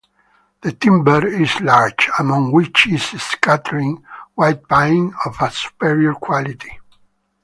The Timber is large, among which is scattering White Pine of a Superior quality.